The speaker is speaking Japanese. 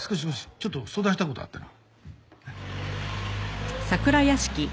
ちょっと相談したい事あってな。